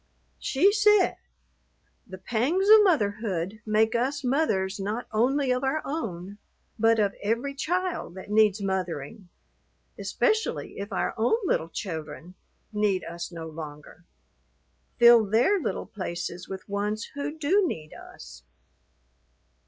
"She said, 'The pangs of motherhood make us mothers not only of our own, but of every child that needs mothering, especially if our own little children need us no longer. Fill their little places with ones who do need us.'